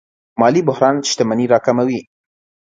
مالي بحران شتمني راکموي.